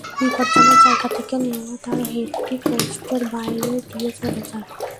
বিপজ্জনক জায়গা থেকে নেওয়া তাঁর হেডটি পোস্টের বাইরে দিয়ে চলে যায়।